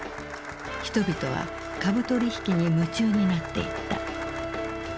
人々は株取引に夢中になっていった。